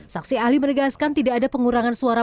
saksi ahli menegaskan tidak ada pengurangan suara